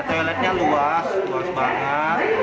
toiletnya luas luas banget